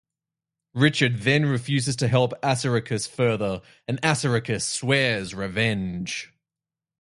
Richard then refuses to help Assaracus further, and Assaracus swears revenge.